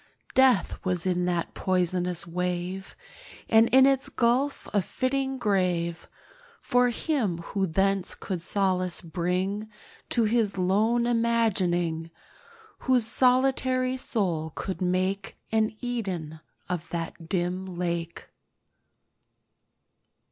Death was in that poisonous wave, And in its gulf a fitting grave For him who thence could solace bring To his lone imagining— Whose solitary soul could make An Eden of that dim lake.